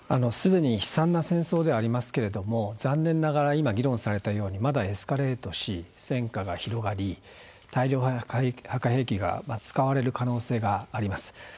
すでに悲惨な戦争ではありますけれども残念ながら今議論されたようにまだエスカレートし戦禍が広がり大量破壊兵器が使われる可能性があります。